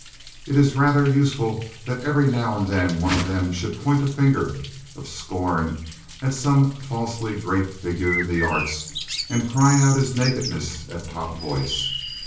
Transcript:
It is rather useful that every now and then one of them should point a finger of scorn at some falsely great figure in the arts and cry out his nakedness at top voice.